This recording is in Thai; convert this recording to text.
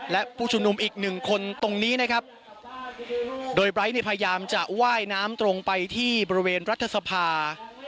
และผู้ชุมนุมอีกหนึ่งคนตรงนี้นะครับโดยไบร์ทเนี่ยพยายามจะว่ายน้ำตรงไปที่บริเวณรัฐสภา